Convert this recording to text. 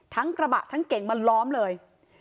กระบะทั้งเก่งมาล้อมเลย